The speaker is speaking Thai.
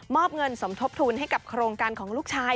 อบเงินสมทบทุนให้กับโครงการของลูกชาย